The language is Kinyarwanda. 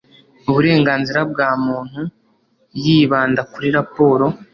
uburenganzira bwa muntu yibanda kuri raporo